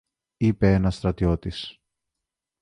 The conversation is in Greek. είπε ένας στρατιώτης.